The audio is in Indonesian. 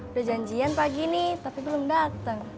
udah janjian pagi nih tapi belum datang